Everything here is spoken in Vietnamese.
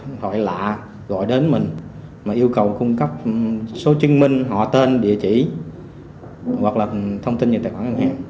ví dụ như có cuộc gọi lạ gọi đến mình mà yêu cầu cung cấp số chứng minh họ tên địa chỉ hoặc là thông tin về tài khoản ngân hàng